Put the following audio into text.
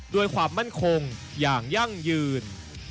ความมั่นคงอย่างยั่งยืน